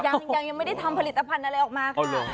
ยังไม่ได้ทำผลิตภัณฑ์อะไรออกมาค่ะ